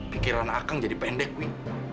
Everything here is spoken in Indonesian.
pikiran akang jadi pendek nih